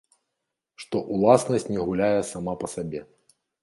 Што ўласнасць не гуляе сама па сабе.